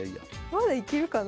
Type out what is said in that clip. まだいけるかな？